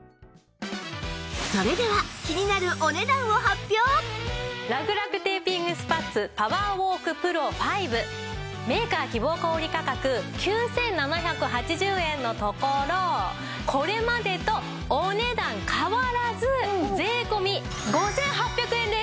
それでは気になるらくらくテーピングスパッツパワーウォーク ＰＲＯⅤ メーカー希望小売価格９７８０円のところこれまでとお値段変わらず税込５８００円です！